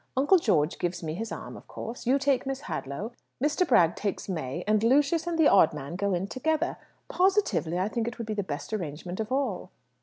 Uncle George gives me his arm, of course. You take Miss Hadlow, Mr. Bragg takes May, and Lucius and the odd man go in together. Positively, I think it would be the best arrangement of all."